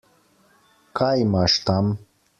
Kaj imaš tam?